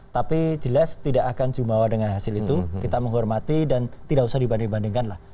tapi jelas tidak akan jumawa dengan hasil itu kita menghormati dan tidak usah dibanding bandingkan lah